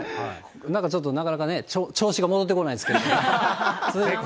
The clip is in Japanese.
なんかちょっと、なかなかね、調子が戻ってこないんですけれども。